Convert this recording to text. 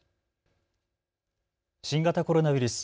新型コロナウイルス。